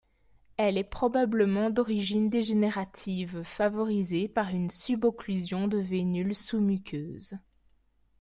Elle est probablement d'origine dégénérative, favorisée par une subocclusion de veinules sous-muqueuses.